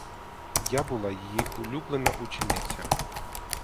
Я була її улюблена учениця.